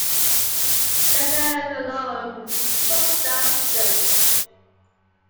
Delta Velorum is a triple star system.